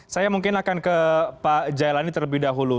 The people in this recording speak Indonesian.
saya mungkin akan ke pak jailani terlebih dahulu